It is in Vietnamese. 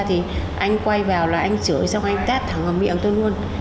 thì anh quay vào là anh chửi xong anh tát thẳng vào miệng tôi luôn